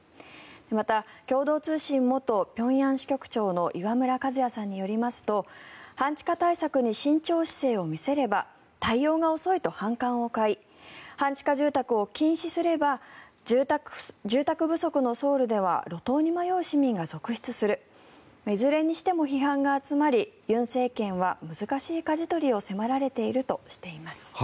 また、共同通信元平壌支局長の磐村和哉さんによりますと半地下対策に慎重姿勢を見せれば対応が遅いと反感を買い半地下住宅を禁止すれば住宅不足のソウルでは路頭に迷う市民が続出するいずれにしても批判が集まり尹政権は難しいかじ取りを迫られているとしています。